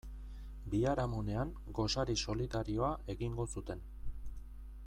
Biharamunean gosari solidarioa egingo zuten.